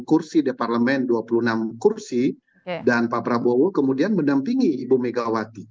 kursi di parlemen dua puluh enam kursi dan pak prabowo kemudian mendampingi ibu megawati